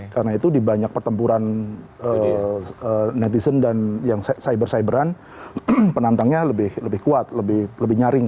karena itu di banyak pertempuran netizen dan yang cyber cyberan penantangnya lebih kuat lebih nyaring